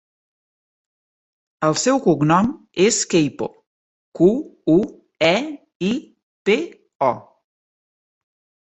El seu cognom és Queipo: cu, u, e, i, pe, o.